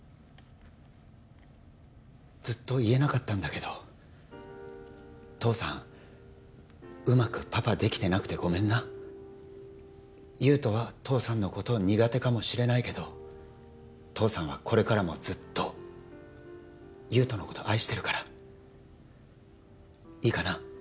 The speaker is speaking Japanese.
ずっと言えなかったんだけど父さんうまくパパできてなくてごめんな優人は父さんのこと苦手かもしれないけど父さんはこれからもずっと優人のこと愛してるからいいかな？